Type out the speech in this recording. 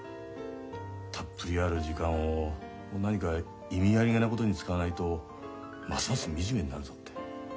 たっぷりある時間を何か意味ありげなことに使わないとますます惨めになるぞって。